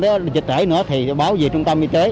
đến dịch trễ nữa thì báo về trung tâm y tế